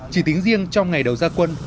chỉ tính riêng trong ngày đầu gia quân